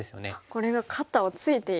これが肩をツイている。